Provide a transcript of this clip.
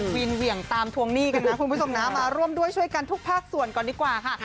วินเหวี่ยงตามทวงหนี้กันนะคุณผู้ชมนะมาร่วมด้วยช่วยกันทุกภาคส่วนก่อนดีกว่าค่ะ